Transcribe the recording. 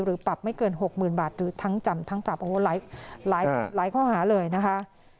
ปรับไม่เกิน๖๐๐๐บาทหรือทั้งจำทั้งปรับโอ้โหหลายข้อหาเลยนะคะ